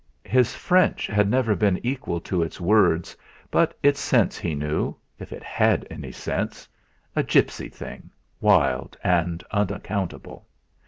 His French had never been equal to its words, but its sense he knew, if it had any sense, a gipsy thing wild and unaccountable.